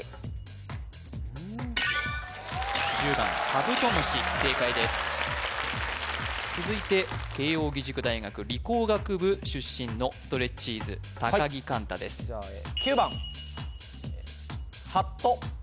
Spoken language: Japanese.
１０番カブトムシ正解です続いて慶應義塾大学理工学部出身のストレッチーズ高木貫太ですじゃあええ